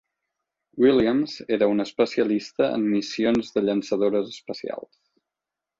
Williams era un especialista en missions de llançadores espacials.